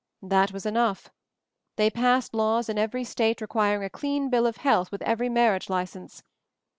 That was enough. They passed laws in every State requiring a clean bill of health with every marriage license.